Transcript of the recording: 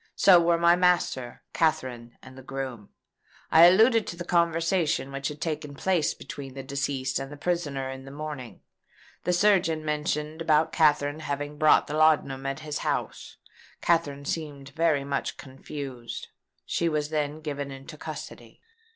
So were my master, Katherine, and the groom. I alluded to the conversation which had taken place between the deceased and the prisoner in the morning. The surgeon mentioned about Katherine having bought the laudanum at his house. Katherine seemed very much confused. She was then given into custody."